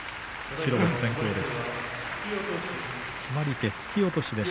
白星先行です。